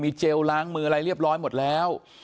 เจลล้างมืออะไรเรียบร้อยหมดแล้ว